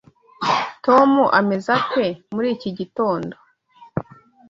Tom ameze ate muri iki gitondo?